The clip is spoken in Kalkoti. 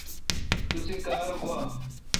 توسی کار گوا۔